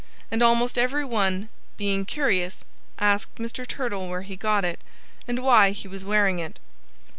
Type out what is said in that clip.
And almost every one, being curious, asked Mr. Turtle where he got it, and why he was wearing it.